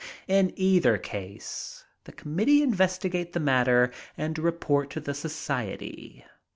In either case the committee investigate the matter and report to the society.